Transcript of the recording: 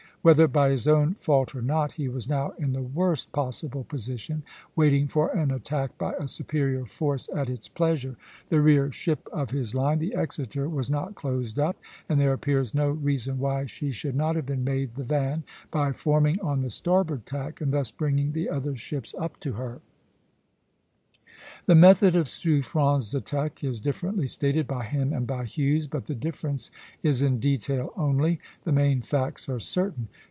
Whether by his own fault or not, he was now in the worst possible position, waiting for an attack by a superior force at its pleasure. The rear ship of his line, the "Exeter," was not closed up; and there appears no reason why she should not have been made the van, by forming on the starboard tack, and thus bringing the other ships up to her. [Illustration: Pl. XIV. SUFFREN & HUGHES. FEB. 17. 1782.] The method of Suffren's attack (C) is differently stated by him and by Hughes, but the difference is in detail only; the main facts are certain.